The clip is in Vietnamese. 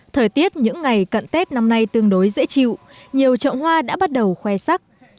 thời tiết những ngày cận tết năm nay tương đối dễ chịu nhiều chậu hoa đã bắt đầu khoe sắc